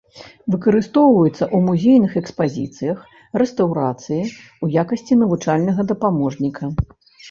Выкарыстоўваецца ў музейных экспазіцыях, рэстаўрацыі, у якасці навучальнага дапаможніка.